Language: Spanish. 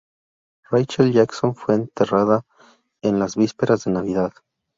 Rachel Jackson fue enterrada en las vísperas de Navidad.